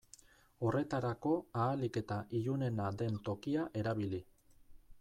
Horretarako ahalik eta ilunena den tokia erabili.